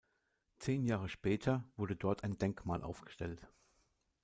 Zehn Jahre später wurde dort ein Denkmal aufgestellt.